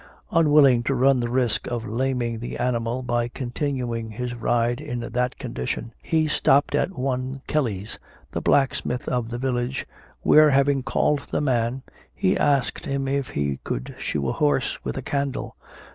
Unwilling to run the risk of laming the animal by continuing his ride in that condition, he stopped at one Kelly's, the blacksmith of the village, where, having called the man, he asked him if he could shoe a horse with a candle.